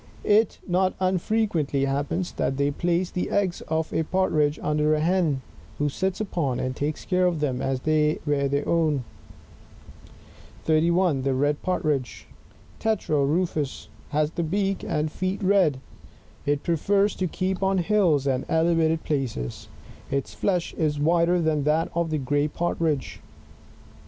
It not unfrequently happens that they place the eggs of a Partridge under a hen, who sits upon, and takes care of them as if they were her own. 31. The Red Partridge,— Tetrao rnjvs. — has the beak and feet red ; it prefers to keep on hUls and elevated places ; its flesh IS whiter than that of the gray Partridge.